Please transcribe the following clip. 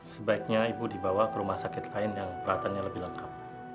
sebaiknya ibu dibawa ke rumah sakit lain yang peralatannya lebih lengkap